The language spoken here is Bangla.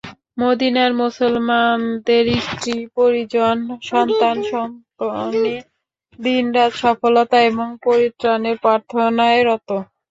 মদীনার মুসলমানদের স্ত্রী-পরিজন, সন্তান-সন্ততি, দিন-রাত সফলতা এবং পরিত্রাণের প্রার্থনায় রত।